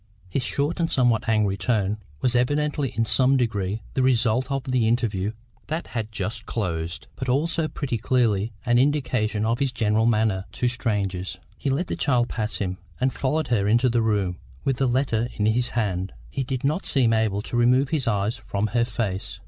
His short and somewhat angry tone was evidently in some degree the result of the interview that had just closed, but also pretty clearly an indication of his general manner to strangers. He let the child pass him, and followed her into the room with the letter in his hand. He did not seem able to remove his eyes from her face.